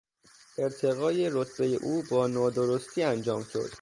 ارتقای رتبهی او با نادرستی انجام شد.